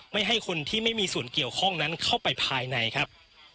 ไม่ให้คนที่ไม่มีส่วนเกี่ยวข้องนั้นเข้าไปภายในครับ